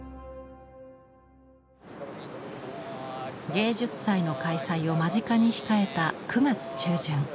芸術祭の開催を間近に控えた９月中旬。